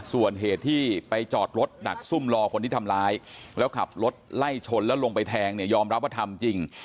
ส่วนเหตุที่ไปจอดรถดักซุ่มรอคนที่ทำร้ายแล้วขับรถไล่ชนแล้วลงไปแทงเนี่ยยอมรับว่าทำจริง